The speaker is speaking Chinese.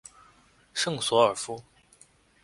圣索尔夫。